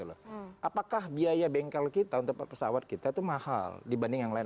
apakah biaya bengkel kita untuk pesawat kita itu mahal dibanding yang lain